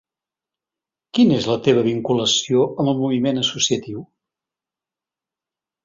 Quina és la teva vinculació amb el moviment associatiu?